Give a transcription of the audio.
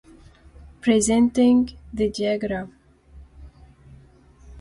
She also wrote books with traditional stories from her tribe.